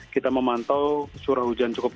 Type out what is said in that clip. kita memantau suruh hujan cukup tinggi